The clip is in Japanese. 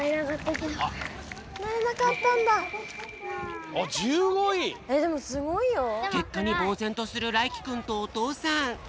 けっかにぼうぜんとするらいきくんとおとうさん。